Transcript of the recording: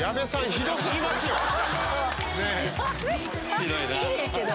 ひどいな。